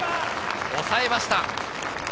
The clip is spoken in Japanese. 抑えました。